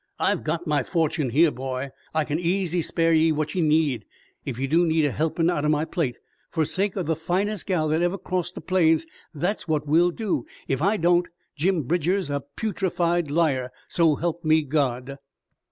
I've got my fortune here, boy. I can easy spare ye what ye need, ef ye do need a helpin' out'n my plate. Fer sake o' the finest gal that ever crossed the Plains, that's what we'll do! Ef I don't, Jim Bridger's a putrefied liar, so help me God!"